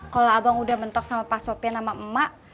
kalau abang udah mentok sama pak sopir sama emak